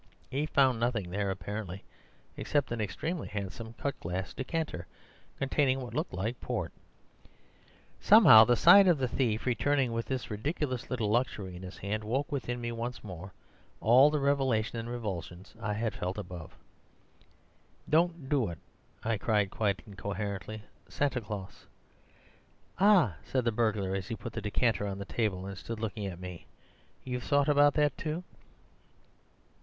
He found nothing there, apparently, except an extremely handsome cut glass decanter, containing what looked like port. Somehow the sight of the thief returning with this ridiculous little luxury in his hand woke within me once more all the revelation and revulsion I had felt above. "'Don't do it!' I cried quite incoherently, 'Santa Claus—' "'Ah,' said the burglar, as he put the decanter on the table and stood looking at me, 'you've thought about that, too.